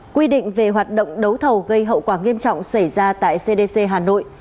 quy định về hoạt động đấu thầu gây hậu quả nghiêm trọng xảy ra tại cdc hà nội